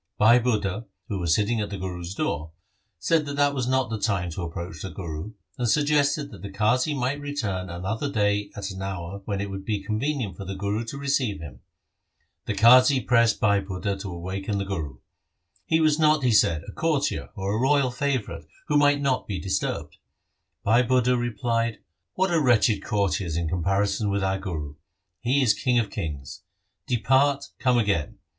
Bhai Budha, who Was sitting at the Guru's door, said that that was not the time to approach the Guru, and suggested that the Qazi might return another day at an hour when it would be convenient for the Guru to receive him. The Qazi pressed Bhai Budha to awaken the Guru. He was not, he said, a courtier or royal favourite who might not be disturbed. Bhai Budha replied, ' What are wretched courtiers in comparison with our Guru ? He is king of kings. Depart, come again.